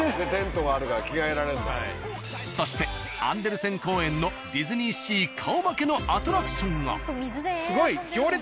そしてアンデルセン公園のディズニーシー顔負けのアトラクションが。